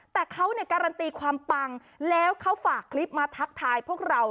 แต่เขาเนี่ยการันตีความปังแล้วเขาฝากคลิปมาทักทายพวกเรา